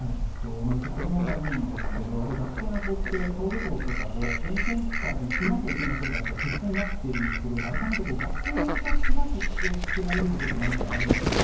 うちは子供がいるんですが学生の子って登下校とかで炎天下にいなきゃいけないことが必須になってるんですけど改めて学生の子たちが気を付けられることって何かありますか？